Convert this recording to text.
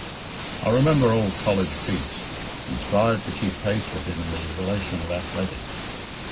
I remember old college feats, and strive to keep pace with him in the relation of athletics.